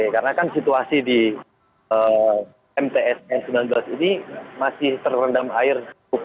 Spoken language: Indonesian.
karena kan situasi di mtsn sembilan belas ini masih terendam air